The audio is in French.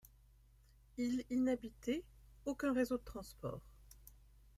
Île inhabitée, aucun réseau de transport.